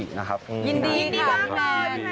ยินดีตั้งเลย